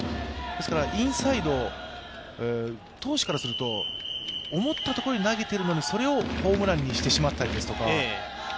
インサイド、投手からすると思ったところに投げているのにそれをホームランにしてしまったりですとか。